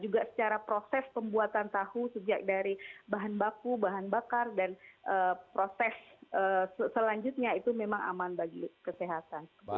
juga secara proses pembuatan tahu sejak dari bahan baku bahan bakar dan proses selanjutnya itu memang aman bagi kesehatan